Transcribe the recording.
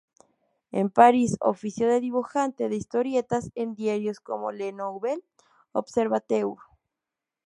En París ofició de dibujante de historietas en diarios como Le Nouvel Observateur.